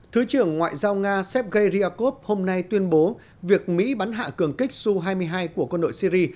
thứ trưởng ngoại giao nga sergei ryakov hôm nay tuyên bố việc mỹ bắn hạ cường kích su hai mươi hai của quân đội syri